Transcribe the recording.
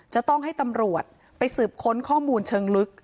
จะต้องให้ตำรวจไปสืบค้นข้อมูลเชิงลึก